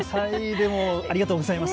でもありがとうございます。